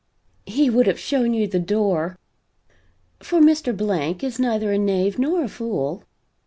"He would have shown you the door! For Mr. Blank is neither a knave nor a fool.